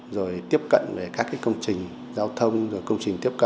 rồi tiếp cận về các công trình giao thông